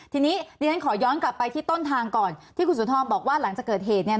ทีนี้ดิฉันขอย้อนกลับไปที่ต้นทางก่อนที่คุณสุนทรบอกว่าหลังจากเกิดเหตุเนี่ย